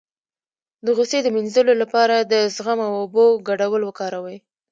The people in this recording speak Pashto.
د غوسې د مینځلو لپاره د زغم او اوبو ګډول وکاروئ